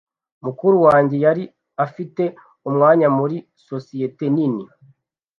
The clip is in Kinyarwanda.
Mukuru wanjye yari afite umwanya muri sosiyete nini.